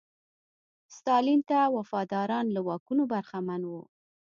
ستالین ته وفاداران له واکونو برخمن وو.